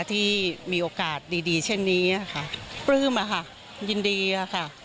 ที่มีโอกาสดีดีเช่นนี้ค่ะปลื้มอะค่ะยินดีอะค่ะ